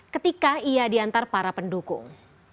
ketika ia diantar para pendukung